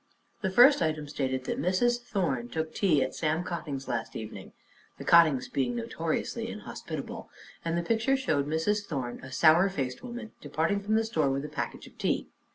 The first item stated that "Mrs. Thorne took tea at Sam Cotting's last evening," (the Cottings being notoriously inhospitable) and the picture showed Mrs. Thorne, a sour faced woman, departing from the store with a package of tea.